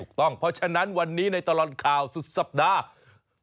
ถูกต้องเพราะฉะนั้นวันนี้ในตลอดข่าวสุดสัปดาห์